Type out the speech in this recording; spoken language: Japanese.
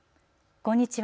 こんにちは。